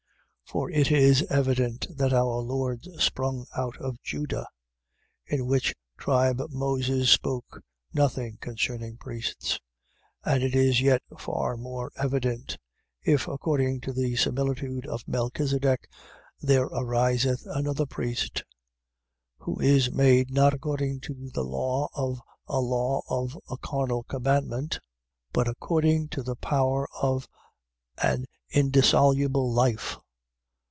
7:14. For it is evident that our Lord sprung out of Juda: in which tribe Moses spoke nothing concerning priests. 7:15. And it is yet far more evident: if according to the similitude of Melchisedech there ariseth another priest, 7:16. Who is made, not according to the law of a law of a carnal commandment, but according to the power of an indissoluble life.